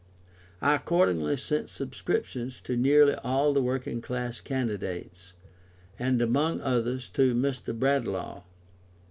I accordingly sent subscriptions to nearly all the working class candidates, and among others to Mr. Bradlaugh.